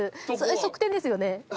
側転ですよね？